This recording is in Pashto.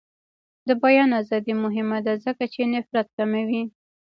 د بیان ازادي مهمه ده ځکه چې نفرت کموي.